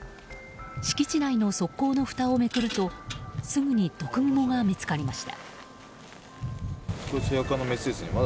敷地内の側溝のふたをめくるとすぐに毒グモが見つかりました。